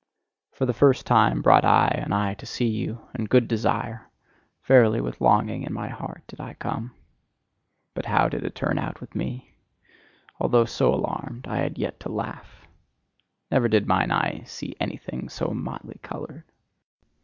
For the first time brought I an eye to see you, and good desire: verily, with longing in my heart did I come. But how did it turn out with me? Although so alarmed I had yet to laugh! Never did mine eye see anything so motley coloured!